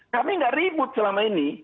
kami tidak ribut selama ini